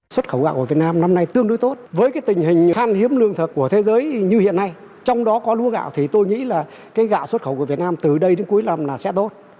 xuất khẩu gạo của việt nam năm nay tương đối tốt với tình hình khan hiếm lương thực của thế giới như hiện nay trong đó có lúa gạo thì tôi nghĩ gạo xuất khẩu của việt nam từ đây đến cuối năm sẽ tốt